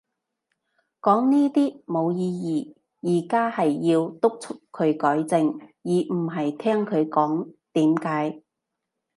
講呢啲冇意義。而家係要敦促佢改正，而唔係聽佢講點解